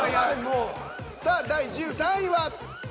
さあ第１３位は。